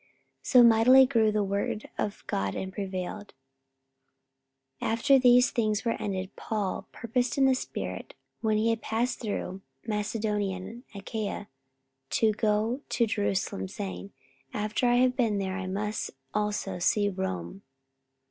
44:019:020 So mightily grew the word of God and prevailed. 44:019:021 After these things were ended, Paul purposed in the spirit, when he had passed through Macedonia and Achaia, to go to Jerusalem, saying, After I have been there, I must also see Rome.